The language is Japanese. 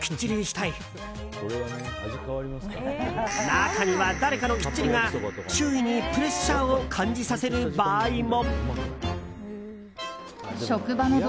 中には、誰かのきっちりが周囲にプレッシャーを感じさせる場合も。